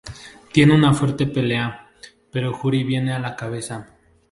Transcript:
Tienen una fuerte pelea, pero Juri viene a la cabeza.